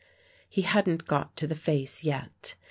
He hadn't got to the face yet.